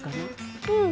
うん。